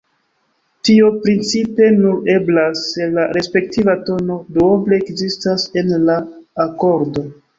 Tio principe nur eblas, se la respektiva tono duoble ekzistas en la akordo.